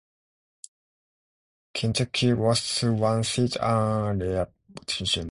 Kentucky lost one seat at reapportionment.